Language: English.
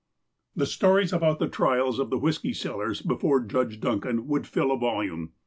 The stories about the trials of the whiskey sellers, before Judge Duncan, would fill a volume.